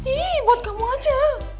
ihh buat kamu aja